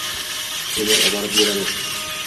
Ko‘mir oborib beramiz.